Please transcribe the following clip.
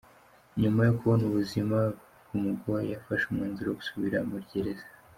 Nyuma yo kubona ubuzima bumugoye yafashe umwanzuro wo gusubira muri gereza.